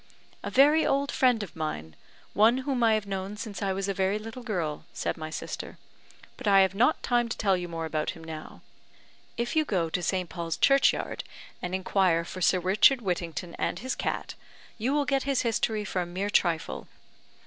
"A very old friend of mine, one whom I have known since I was a very little girl," said my sister; "but I have not time to tell you more about him now. If you so to St. Paul's Churchyard, and inquire for Sir Richard Whittington and his cat, you will get his history for a mere trifle."